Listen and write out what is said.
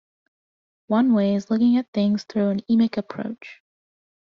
One way is looking at things through an emic approach.